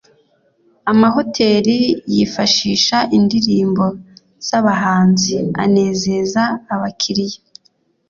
amahoteli yifashisha indirimbo z’abahanzi anezeza abakiliya